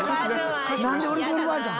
「何でオルゴールバージョン⁉」。